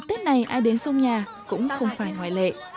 ui dời ơi